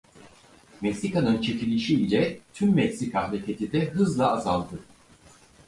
Meksika'nın çekilişi ile Tüm Meksika hareketi de hızla azaldı.